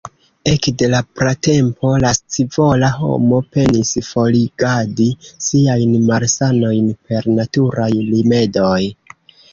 Ekde la pratempo la scivola homo penis forigadi siajn malsanojn per naturaj rimedoj.